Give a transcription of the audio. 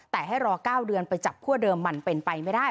แต่ให้รอ๙เดือนไปจับคั่วเดิมมันเป็นไปไม่ได้